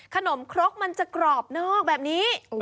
ครกมันจะกรอบนอกแบบนี้